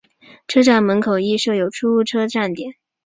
车站门口亦设有出租车站点。